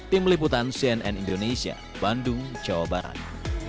tim liputan cnn indonesia bandung jawa barat